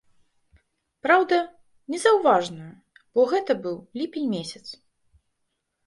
Праўда, незаўважную, бо гэта быў ліпень месяц.